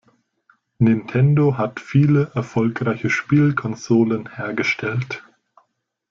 Nintendo hat viele erfolgreiche Spielkonsolen hergestellt.